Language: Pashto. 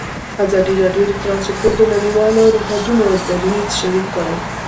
ازادي راډیو د ترانسپورټ د نړیوالو نهادونو دریځ شریک کړی.